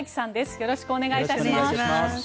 よろしくお願いします。